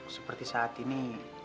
seperti saat ini